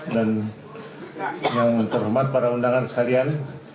dan yang terhormat pada undangan sekalian